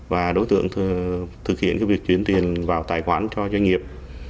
và đối tượng thực hiện việc chuyển tiền vào tài khoản cho doanh nghiệp